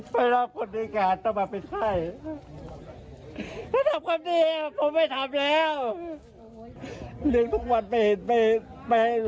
ไปรอกคนดีก่อนต้องมาปิดไข้